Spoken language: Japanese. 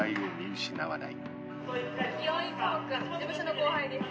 事務所の後輩です。